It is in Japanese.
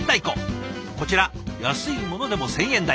こちら安いものでも１，０００円台。